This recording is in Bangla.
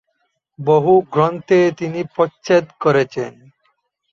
বহু গ্রন্থের তিনি প্রচ্ছদ করেছেন।